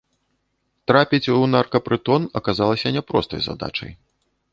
Трапіць у наркапрытон аказалася няпростай задачай.